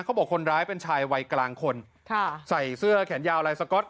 คนร้ายเป็นชายวัยกลางคนค่ะใส่เสื้อแขนยาวลายสก๊อต